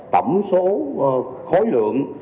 tổng số khối lượng